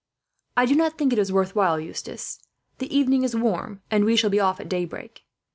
"I do not think it is worth while, Eustace. The evening is warm, and we shall be off at daybreak.